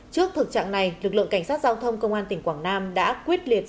trước thực trạng này lực lượng cảnh sát giao thông công an tỉnh quảng nam đã quyết liệt